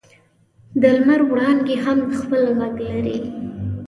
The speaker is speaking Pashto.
د لمر وړانګې هم خپل ږغ لري.